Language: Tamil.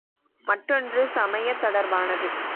மற்றொன்று, சமயத் தொடர்பானது.